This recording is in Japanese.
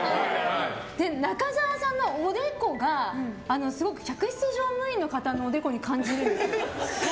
中沢さんのおでこがすごく客室乗務員の方のおでこに感じるんですよ。